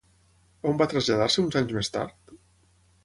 On va traslladar-se uns anys més tard?